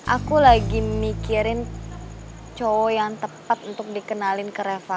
aku lagi mikirin cowok yang tepat untuk dikenalin ke reva